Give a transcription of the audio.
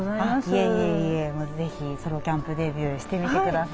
いえいえいえ是非ソロキャンプデビューしてみてください。